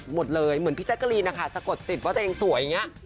หมดเลยเหมือนพี่แจ๊กกะรีนนะคะสะกดจิตว่าเจ้าเองสวยอย่างเงี้ย